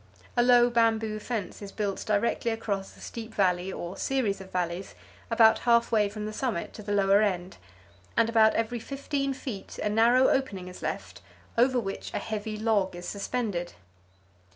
A low bamboo fence is built directly across a steep valley or series of valleys, about half way from the summit to the lower end, and about every fifteen feet a narrow opening is left, over which a heavy log is suspended.